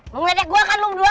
mau ngeledek gua kan lu ber dua